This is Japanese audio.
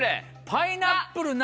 パイナップルは？